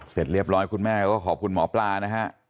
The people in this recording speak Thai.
เสร็จเรียบร้อยคุณแม่ก็ขอบคุณหมอปลานะฮะ